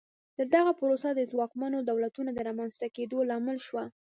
دغه پروسه د ځواکمنو دولتونو د رامنځته کېدو لامل شوه.